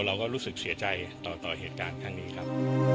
เราก็รู้สึกเสียใจต่อเหตุการณ์ครั้งนี้ครับ